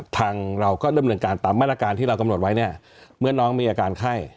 ทางเราก็เริ่มเดินการตามมาตรการที่เรากำหนดไว้เนี่ยเมื่อน้องมีอาการไข้